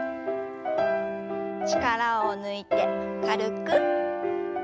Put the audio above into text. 力を抜いて軽く。